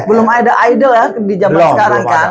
belum ada idol ya di zaman sekarang kan